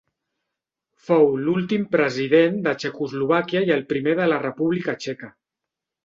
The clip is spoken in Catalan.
Fou l'últim president de Txecoslovàquia i el primer de la República Txeca.